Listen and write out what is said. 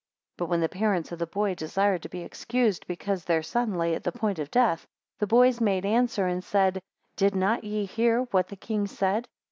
11 But when the parents of the boy desired to be excused, because their son lay at the point of death; the boys made answer, and said, Did not ye hear what the king said?